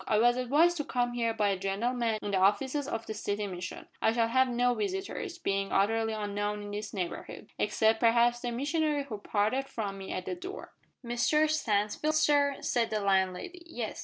I was advised to come here by a gentleman in the offices of the City Mission. I shall have no visitors being utterly unknown in this neighbourhood except, perhaps, the missionary who parted from me at the door " "Mr Stansfield, sir?" said the landlady. "Yes.